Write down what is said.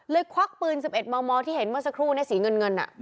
ควักปืน๑๑มมที่เห็นเมื่อสักครู่สีเงิน